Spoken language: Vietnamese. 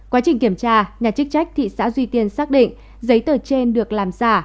quá trình kiểm tra nhà chức trách thị xã duy tiên xác định giấy tờ trên được làm giả